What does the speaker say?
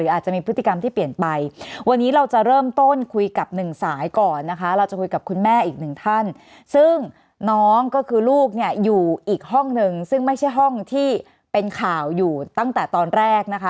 อาจจะมีพฤติกรรมที่เปลี่ยนไปวันนี้เราจะเริ่มต้นคุยกับหนึ่งสายก่อนนะคะเราจะคุยกับคุณแม่อีกหนึ่งท่านซึ่งน้องก็คือลูกเนี่ยอยู่อีกห้องหนึ่งซึ่งไม่ใช่ห้องที่เป็นข่าวอยู่ตั้งแต่ตอนแรกนะคะ